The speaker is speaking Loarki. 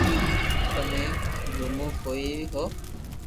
تمي گمو ڪوي ھو